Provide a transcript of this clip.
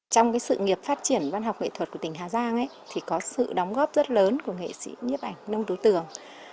trong sự nghiệp phát triển văn học nghệ thuật của tỉnh hà giang có sự đóng góp rất lớn của nghệ sĩ nhấp ảnh nông tú tường